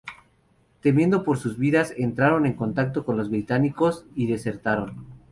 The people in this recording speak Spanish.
Temiendo por sus vidas, entraron en contacto con los Británicos y desertaron.